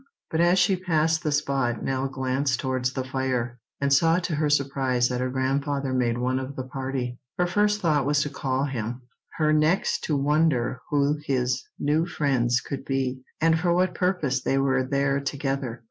But as she passed the spot Nell glanced towards the fire, and saw to her surprise that her grandfather made one of the party. Her first thought was to call him; her next to wonder who his new friends could be, and for what purpose they were there together.